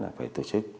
là phải tổ chức